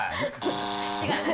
違う？